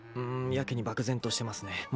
んーやけに漠然としてますね。